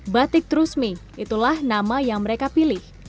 batik trusmi itulah nama yang mereka pilih